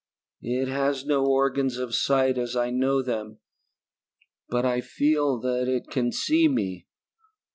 It has no organs of sight as I know them, but I feel that it can see me.